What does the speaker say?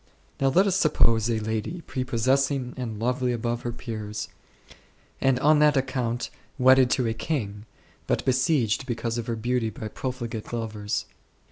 Now let us suppose a lady, prepossessing and lovely above her peers, and on that account wedded to a king, but besieged because of her beauty by profligate lovers.